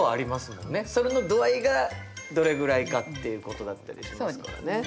それの度合いがどれぐらいかっていうことだったりしますからね。